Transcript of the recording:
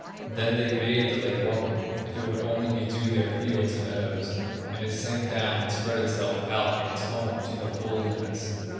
Then they bade the lake welcome, if it would only bedew their fields and meadows; and it sank down and spread itself out in its home to the full limits.